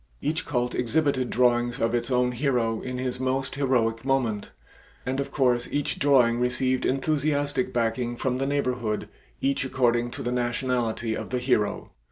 Each cult exhibited drawings of its own hero in his most heroic moment, and of course each drawing received enthusiastic backing from the neighborhood, each according to the nationality of the hero.